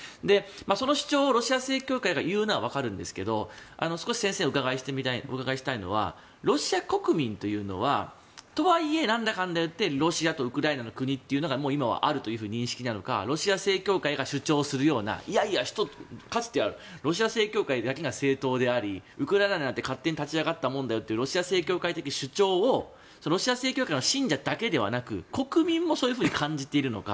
その主張をロシア正教会が言うのはわかるんですが少し先生にお伺いしたいのはロシア国民というのはとはいえ、なんだかんだ言ってロシアとウクライナの国というのがもう今はあるという認識にあるのかロシア正教会が主張するようないやいやかつてはロシア正教会だけが正当であり、ウクライナなんて勝手に立ち上がったものだよってロシア正教会的主張をロシア正教会の信者だけではなく国民もそういうふうに感じているのか。